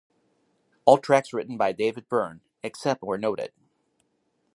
All tracks written by David Byrne, except where noted.